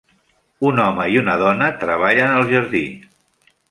Un home i una dona treballen al jardí.